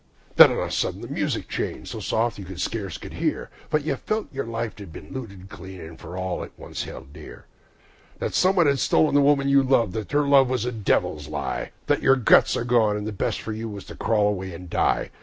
Then on a sudden the music changed, so soft that you scarce could hear; But you felt that your life had been looted clean of all that it once held dear; That someone had stolen the woman you loved; that her love was a devil's lie; That your guts were gone, and the best for you was to crawl away and die.